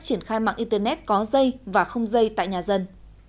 triển khai mạng internet có dây và không dây tại nhà dân